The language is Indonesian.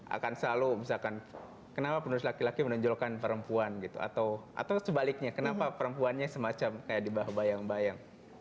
akan selalu misalkan kenapa penulis laki laki menonjolkan perempuan gitu atau sebaliknya kenapa perempuannya semacam kayak di bawah bayang bayang